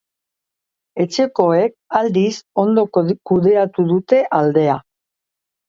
Etxekoek, aldiz, ondo kudeatu dute aldea.